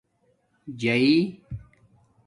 جائئ